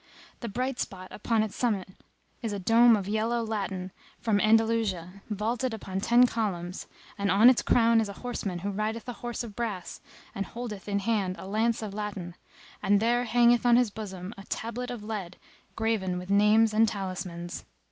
The bright spot upon its summit is a dome of yellow laton from Andalusia, vaulted upon ten columns; and on its crown is a horseman who rideth a horse of brass and holdeth in hand a lance of laton; and there hangeth on his bosom a tablet of lead graven with names and talismans."